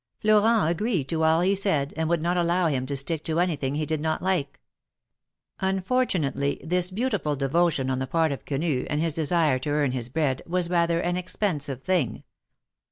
Florent agreed to all he said, and would not allow him to stick to anything he did not like. Unfortunately, this beautiful devotion on the part of Quenu, and his desire to earn his bread, was rather an expensive thing.